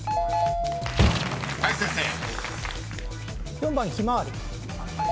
４番ひまわり。